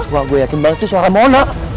wah gue yakin banget tuh suara mona